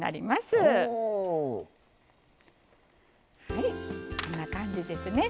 はいこんな感じですね。